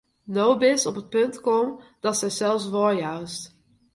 No bist op it punt kommen, datst dysels weijoust.